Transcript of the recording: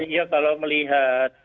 iya kalau melihat